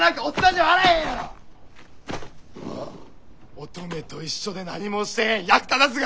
オトメと一緒で何もしてへん役立たずが。